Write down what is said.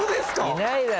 いないだろ！